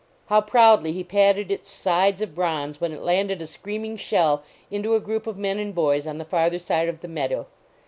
How proudly he patted its sides of bronze when it landed a screaming shell into a group of men and boys on the farther side of the meadow.